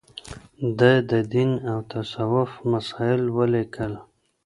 ده د دين او تصوف مسايل وليکل